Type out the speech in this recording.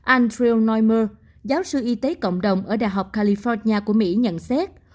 andrew noimer giáo sư y tế cộng đồng ở đại học california của mỹ nhận xét